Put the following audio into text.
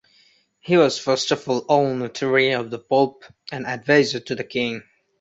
He was first of all notary of the Pope and adviser to the King.